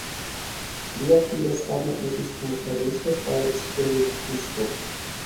Lia filo same estis pentristo kaj skulptisto.